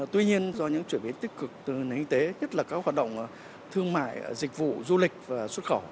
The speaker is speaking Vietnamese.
tuy nhiên do những chuyển biến tích cực từ nền y tế nhất là các hoạt động thương mại dịch vụ du lịch và xuất khẩu